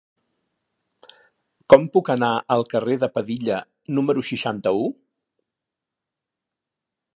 Com puc anar al carrer de Padilla número seixanta-u?